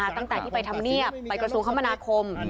ตั้งแต่ที่ไปทำเนียบไปกระทรวงคมนาคม